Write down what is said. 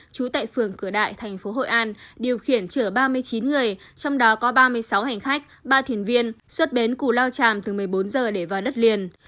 chú tại phường cửa đại tp hội an điều khiển trở ba mươi chín người trong đó có ba mươi sáu hành khách ba thiền viên xuất bến củ lao tràm từ một mươi bốn h để vào đất liền